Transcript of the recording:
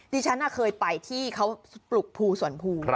ดิฉันเคยไปที่เขาปลุกภูสวนภู